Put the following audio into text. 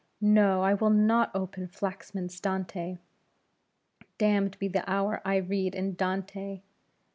No! I will not open Flaxman's Dante! Damned be the hour I read in Dante!